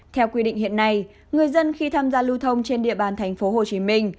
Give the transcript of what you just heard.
theo quy định hiện nay người dân khi tham gia lưu thông trên địa bàn thành phố hồ chí minh